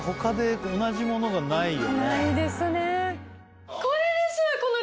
ないですね。